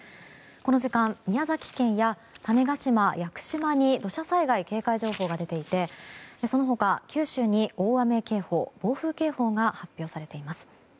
この時間、宮崎県や種子島、屋久島に土砂災害警戒情報が出ていてその他、九州に大雨警報暴風警報が発表されています。